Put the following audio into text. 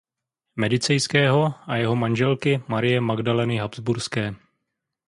Medicejského a jeho manželky Marie Magdaleny Habsburské.